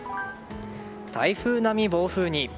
台風並み暴風に。